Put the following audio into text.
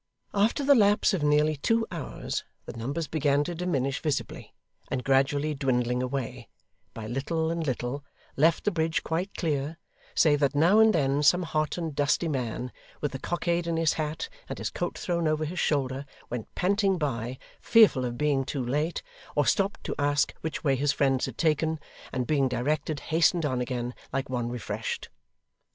After the lapse of nearly two hours, the numbers began to diminish visibly, and gradually dwindling away, by little and little, left the bridge quite clear, save that, now and then, some hot and dusty man, with the cockade in his hat, and his coat thrown over his shoulder, went panting by, fearful of being too late, or stopped to ask which way his friends had taken, and being directed, hastened on again like one refreshed.